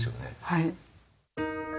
はい。